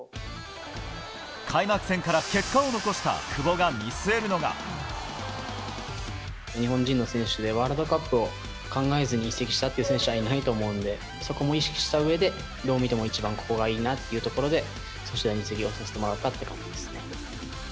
開幕戦から結果を残した久保日本人の選手で、ワールドカップを考えずに移籍したっていう選手はいないと思うんで、そこも意識したうえで、どう見ても一番ここがいいなというところで、ソシエダに移籍をさせてもらったっていう感じですね。